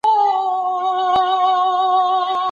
انارګل په خپل نوي لرګي باندې خپل نوم ولیکه.